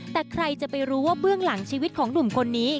แต่ใครจะไปรู้ว่าเบื้องหลังชีวิตของหนุ่มคนนี้